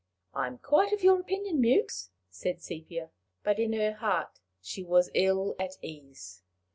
"I am quite of your opinion, Mewks," said Sepia. But in her heart she was ill at ease.